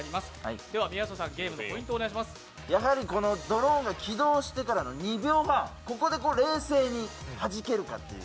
ドローンが起動してからの２秒半、ここで冷静にはじけるか。